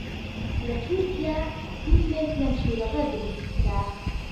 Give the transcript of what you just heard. لە تورکیا فیلمێک لەم چیرۆکە دروست کرا